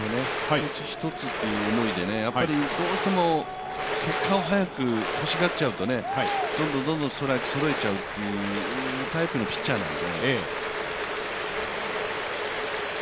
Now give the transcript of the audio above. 一つ一つという思いで、どうしても結果を早く欲しがっちゃうとどんどん、どんどんストライクが取られちゃうというそういうタイプのピッチャーなんで。